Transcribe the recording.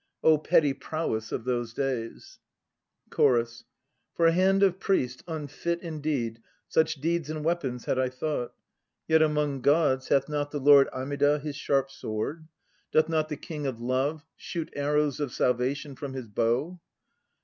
Oh petty prowess of those days! CHORUS. For hand of priest unfit indeed Such deeds and weapons had I thought; Yet among gods Hath not the Lord Amida his sharp sword? Doth not the King of Love 2 Shoot arrows of salvation from his bow?